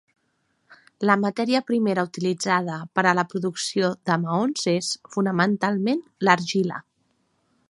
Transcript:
La matèria primera utilitzada per a la producció de maons és, fonamentalment, l'argila.